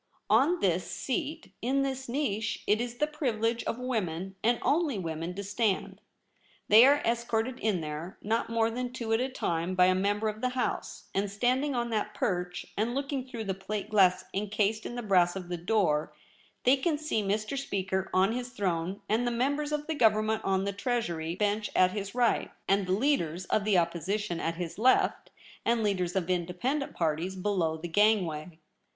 On this seat. In this niche. It Is the privilege of women, and only women, to stand. They are escorted in there, not more than two at a time, by a member of the House ; and standing on that perch, and looking through the plate glass encased In the brass of the door, they can see Mr. Speaker on his throne and the mem bers of the Government on the Treasury bench at his right, and leaders of the Opposi tion at his left, and leaders of Independent parties below the gangway.